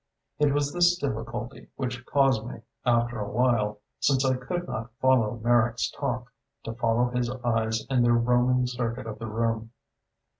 It was this difficulty which caused me, after a while, since I could not follow Merrick's talk, to follow his eyes in their roaming circuit of the room.